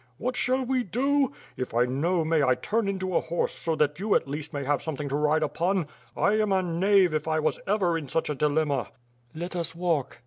AVhat shall we do? If I know may I turn into a horse so that you at least may have something to ride upon. I am a knave, if I was ever in such a dilemma." "Let us walk.